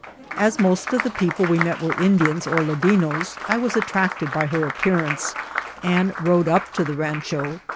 As most of the people we met were Indians or Ladinos, I was attracted by her appearance, and rode up to the rancho.